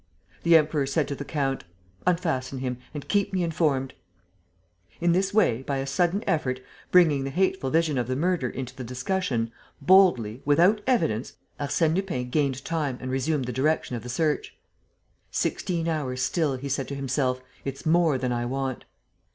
The Emperor said to the count: "Unfasten him. ... And keep me informed." In this way, by a sudden effort, bringing the hateful vision of the murder into the discussion, boldly, without evidence, Arsène Lupin gained time and resumed the direction of the search: "Sixteen hours still," he said to himself, "it's more than I want."